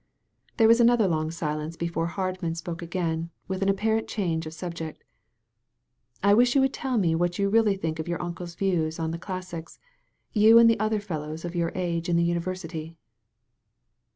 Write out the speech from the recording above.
There was another long silence before Hardman spoke again, with an apparent change of subject: "I wish you would tell me what you really think of your uncle's views on the classics, you and the other fellows of your age in the university."